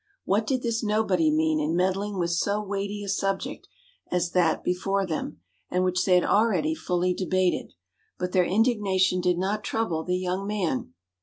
What did this nobody mean in meddling with so weighty a subject as that before them, and which they had already fully debated? But their indignation did not trouble the young man.